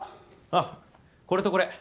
ああこれとこれ。